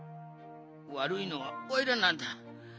わるいのはおいらなんだ。